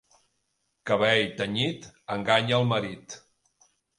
Cabell tenyit enganya el marit.